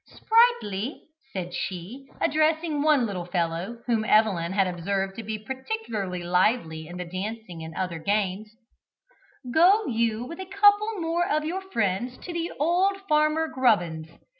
"Sprightly," said she, addressing one little fellow, whom Evelyn had observed to be particularly lively in the dancing and other games, "go you, with a couple more of your friends, to old Farmer Grubbins.